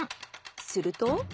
すると。